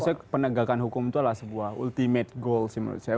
saya penegakan hukum itu adalah sebuah ultimate goal sih menurut saya